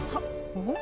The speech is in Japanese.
おっ！